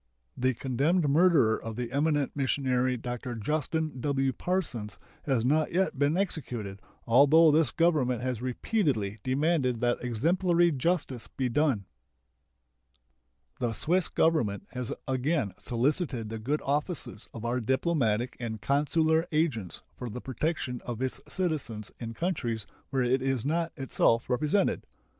The condemned murderer of the eminent missionary Dr. Justin W. Parsons has not yet been executed, although this Government has repeatedly demanded that exemplary justice be done. The Swiss Government has again solicited the good offices of our diplomatic and consular agents for the protection of its citizens in countries where it is not itself represented.